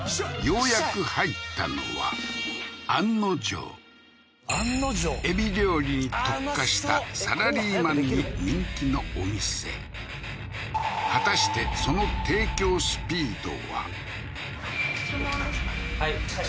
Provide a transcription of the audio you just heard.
ようやく入ったのは案のジョーエビ料理に特化したサラリーマンに人気のお店果たしてその注文ですか？